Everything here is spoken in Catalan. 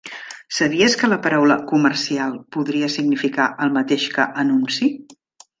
Sabies que la paraula "comercial" podria significar el mateix que "anunci"?